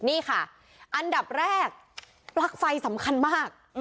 นี่ค่ะอันดับแรกปลั๊กไฟสำคัญมาก